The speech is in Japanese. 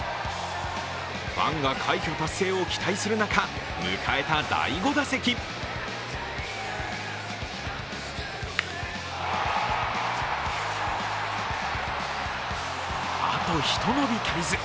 ファンが快挙達成を期待する中、迎えた第５打席あとひと伸び足りず。